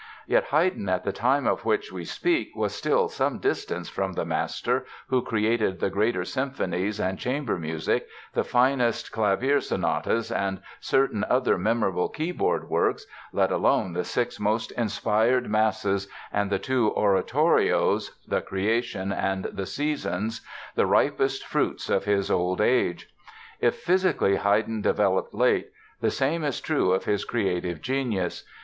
Yet Haydn at the time of which we speak was still some distance from the master who created the greater symphonies and chamber music, the finest clavier sonatas and certain other memorable keyboard works, let alone the six most inspired masses and the two oratorios ("The Creation" and "The Seasons"), the ripest fruits of his old age. If physically Haydn developed late, the same is true of his creative genius.